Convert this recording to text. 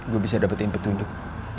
gue bisa dapetin petunjuk